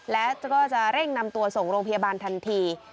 และก็จะเร่งนำตัวส่งโรงพยาบาลทันที